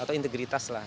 atau integritas lah